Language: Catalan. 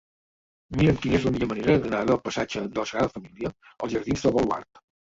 Mira'm quina és la millor manera d'anar del passatge de la Sagrada Família als jardins del Baluard.